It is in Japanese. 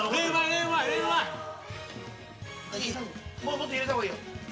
もっと入れた方がいいよ！